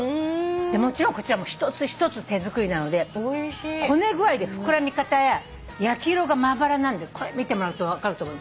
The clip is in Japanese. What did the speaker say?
もちろんこちらも一つ一つ手作りなのでこね具合で膨らみ方や焼き色がまばらなんでこれ見てもらうと分かると思う。